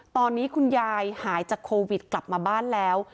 ตอนนี้คุณยายหายจากโควิดกลับมาบ้านแล้ว